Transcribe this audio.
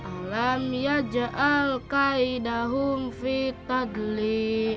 alam yaja'al kaidahum fitadli